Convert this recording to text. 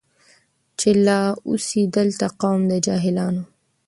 چي لا اوسي دلته قوم د جاهلانو